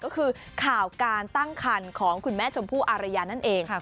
ก็คือข่าวการตั้งคันของคุณแม่ชมพู่อารยานั่นเอง